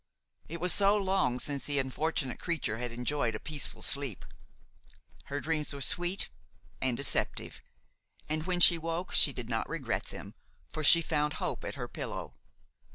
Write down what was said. It was so long since the unfortunate creature had enjoyed a peaceful sleep! Her dreams were sweet and deceptive, and when she woke she did not regret them, for she found hope at her pillow.